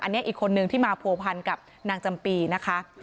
อันนี้อีกคนนึงที่มาผัวพันกับนางจำปีนะคะ